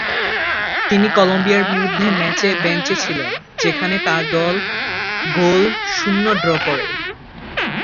তিনি কলম্বিয়ার বিরুদ্ধে ম্যাচে বেঞ্চে ছিলেন, যেখানে তার দল গোল শূন্য ড্র করে।